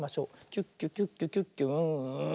キュッキュキュッキュキュッキュウーン！